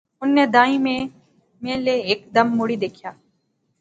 انیں دائیں میں لے ہیک دم مڑی دیکھیا